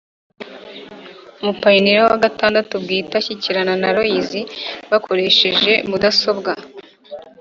Umupayiniya wa gatandatu bwite ashyikirana na Lorys bakoresheje mudasobwa